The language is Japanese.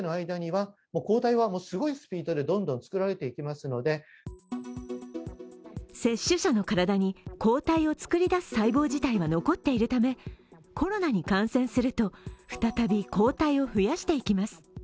それでも接種者の体に抗体を作り出す細胞自体は残っているためコロナに感染すると、再び抗体を増やしていきます。